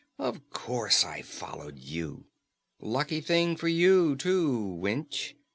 "Of course I followed you. Lucky thing for you, too, wench!